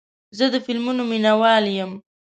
زه د فلمونو مینهوال یم.